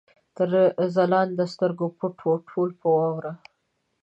تر ځلانده سترګو پټ وو، ټول په واوره